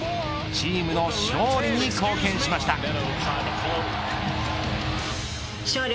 チームの勝利に貢献しました。